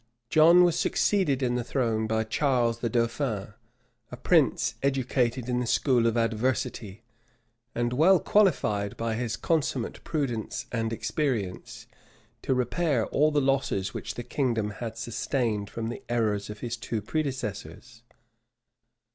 John was succeeded in the throne by Charles the dauphin, a prince educated in the school of adversity, and well qualified, by his consummate prudence and experience, to repair all the losses which the kingdom had sustained from the errors of his two predecessors.